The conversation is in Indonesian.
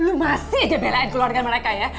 lu masih aja belain keluarga mereka ya